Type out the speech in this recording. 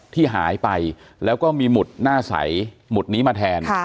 ที่หายไปแล้วก็มีหมุดหน้าใสหมุดนี้มาแทน